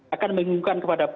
akan mengingungkan kepada